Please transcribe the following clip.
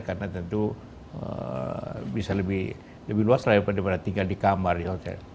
karena tentu bisa lebih luas daripada tinggal di kamar di hotel